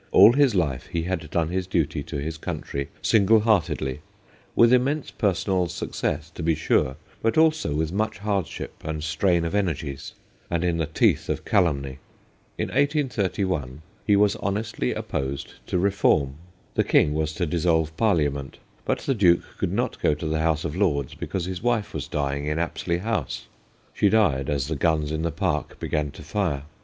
All his life he had done his duty to his country single heartedly, with immense personal 168 THE GHOSTS OF PICCADILLY success, to be sure, but also with much hardship and strain of energies, and in the teeth of calumny. In 1831 he was honestly opposed to reform. The King was to dissolve Parliament, but the Duke could not go to the House of Lords because his wife was dying in Apsley House. She died as the guns in the Park began to fire.